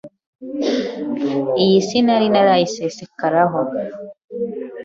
Iyi si nari ntarayisesekaraho